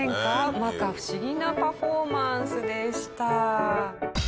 摩訶不思議なパフォーマンスでした。